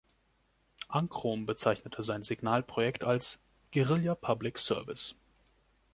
Ankrom bezeichnete sein Signal-Projekt als "Guerilla Public Service".